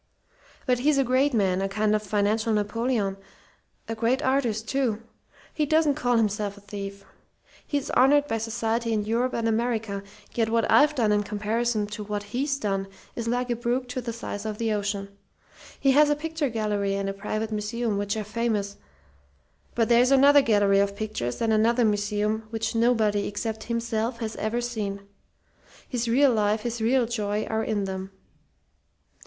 "But he's a great man, a kind of financial Napoleon a great artist, too. He doesn't call himself a thief. He's honoured by society in Europe and America; yet what I've done in comparison to what he's done is like a brook to the size of the ocean. He has a picture gallery and a private museum which are famous; but there's another gallery of pictures and another museum which nobody except himself has ever seen. His real life, his real joy, are in them.